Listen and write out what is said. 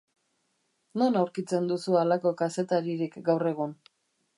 Non aurkitzen duzu halako kazetaririk gaur egun?